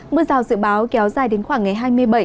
mưa rào dự báo kéo dài đến khoảng ngày hai mươi bảy